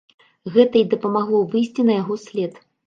Гэта і дапамагло выйсці на яго след.